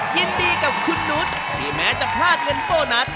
ยินดีกับคุณนุษย์ที่แม้จะพลาดเงินโบนัส